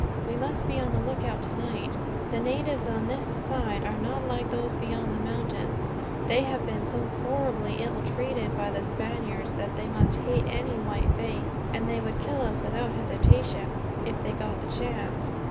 We must be on the lookout, tonight. The natives on this side are not like those beyond the mountains. They have been so horribly ill treated, by the Spaniards, that they must hate any white face; and would kill us without hesitation, if they got a chance.